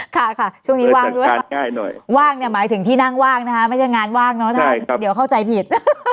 ค่ะค่ะช่วงนี้ว่างด้วยว่างเนี่ยหมายถึงที่นั่งว่างนะคะไม่ใช่งานว่างเนอะท่านเดี๋ยวเข้าใจผิด